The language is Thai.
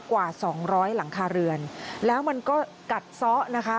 กว่าสองร้อยหลังคาเรือนแล้วมันก็กัดซ้อนะคะ